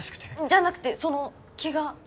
じゃなくてそのケガ。